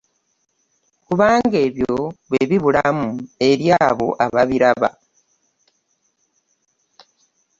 Kubanga ebyo bwebulamu eri abo abibaraba .